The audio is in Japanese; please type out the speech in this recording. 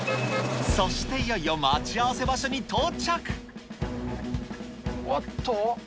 そしていよいよ待ち合わせ場おっと。